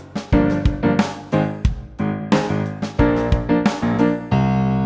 tidak bu syarif aku sudah usil padamu